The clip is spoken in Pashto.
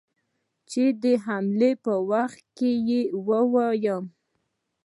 چې د حملې پر وخت يې ووايم.